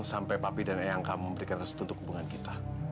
sampai papi dan ayah kamu memberikan kesetujuan hubungan kita